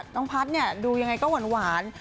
น้องพัทรดูยังไงก็หวาน